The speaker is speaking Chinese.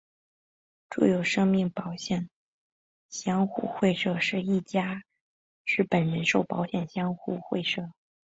住友生命保险相互会社是一家日本人寿保险相互会社。